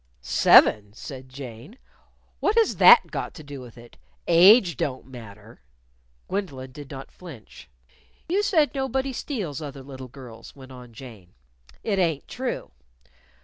"Seven?" said Jane. "What has that got to do with it? Age don't matter." Gwendolyn did not flinch. "You said nobody steals other little girls," went on Jane. "It ain't true.